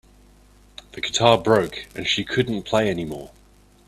The guitar broke and she couldn't play anymore.